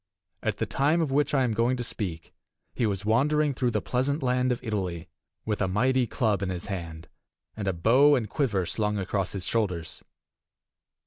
At the time of which I am going to speak he was wandering through the pleasant land of Italy, with a mighty club in his hand, and a bow and quiver slung across his shoulders.